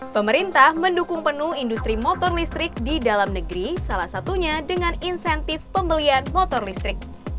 pemerintah mendukung penuh industri motor listrik di dalam negeri salah satunya dengan insentif pembelian motor listrik